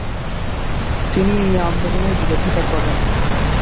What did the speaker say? তিনি এ আন্দোলনের বিরোধিতা করেন।